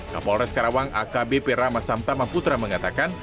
kapolres karawang akbp ramasamtama putra mengatakan